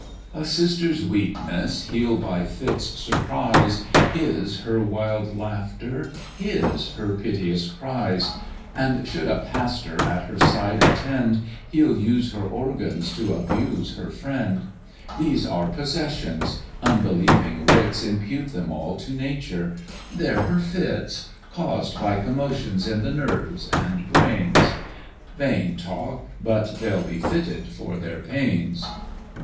"A Sister's weakness he'll by fits surprise, His her wild laughter, his her piteous cries; And should a pastor at her side attend, He'll use her organs to abuse her friend: These are possessions unbelieving wits Impute them all to Nature: 'They're her fits, Caused by commotions in tne nerves and brains;' Vain talk! but they'll be fitted for their pains.